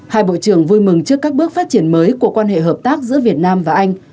hai bộ trưởng vui mừng trước các bước phát triển mới của quan hệ hợp tác giữa việt nam và anh